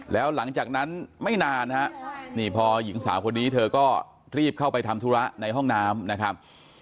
แล้วหลังจากนั้นไม่นานฮะนี่พอหญิงสาวคนนี้เธอก็รีบเข้าไปทำธุระในห้องน้ำนะครับ